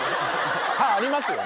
歯ありますよね？